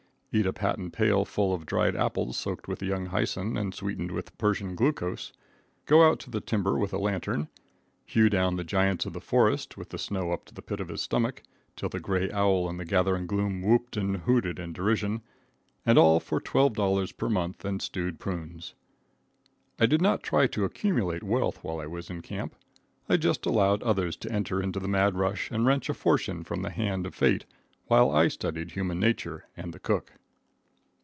eat a patent pail full of dried apples soaked with Young Hyson and sweetened with Persian glucose, go out to the timber with a lantern, hew down the giants of the forest, with the snow up to the pit of his stomach, till the gray owl in the gathering gloom whooped and hooted in derision, and all for $12 per month and stewed prunes. I did not try to accumulate wealth while I was in camp. I just allowed others to enter into the mad rush and wrench a fortune from the hand of fate while I studied human nature and the cook.